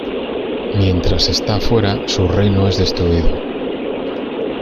Mientras está fuera, su reino es destruido.